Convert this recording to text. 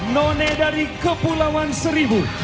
nona dari kepulauan seribu